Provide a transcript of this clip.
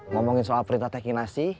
ngomongin soal perintah teking nasi